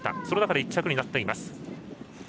その中で１着になっています。